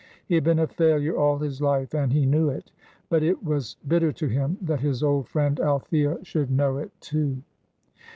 He had been a failure all his life, and he knew it; but it was bitter to him that his old friend Althea should know it, too.